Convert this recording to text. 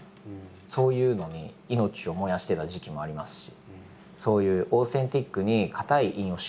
そういうのに命を燃やしてた時期もありますし。